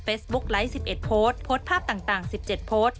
เฟซบุ๊กไลฟ์๑๑โพสต์โพสต์ภาพต่าง๑๗โพสต์